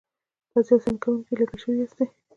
تاسې اساني کوونکي لېږل شوي یاستئ.